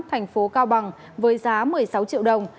thành phố cao bằng với giá một mươi sáu triệu đồng